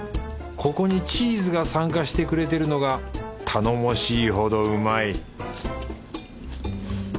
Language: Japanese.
ここにチーズが参加してくれてるのが頼もしいほどうまい